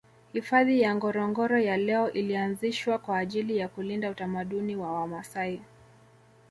Hifadhi ya Ngorongoro ya leo ilianzishwa kwa ajili ya kulinda utamaduni wa wamaasai